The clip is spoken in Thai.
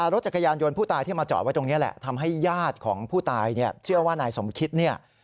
รถจักรยานยนต์ผู้ตายที่มาจอดไว้ตรงนี้แหละทำให้ญาติของผู้ตายเนี่ยเชื่อว่านายสมคิดเนี่ย